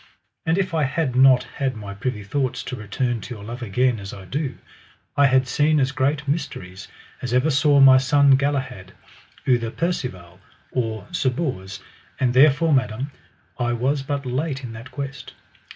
And if I had not had my privy thoughts to return to your love again as I do, I had seen as great mysteries as ever saw my son Galahad, outher Percivale, or Sir Bors; and therefore, madam, I was but late in that quest.